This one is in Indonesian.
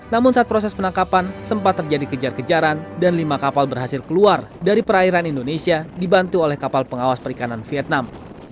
namun saat proses penangkapan sempat terjadi kejar kejaran dan lima kapal berhasil keluar dari perairan indonesia dibantu oleh kapal pengawas perikanan vietnam